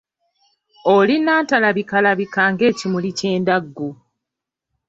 Oli nnantalabikalabika ng'ekimuli ky'endaggu.